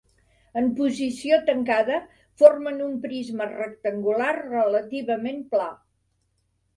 En posició tancada formen un prisma rectangular relativament pla.